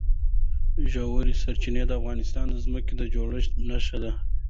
ژورې سرچینې د افغانستان د ځمکې د جوړښت نښه ده.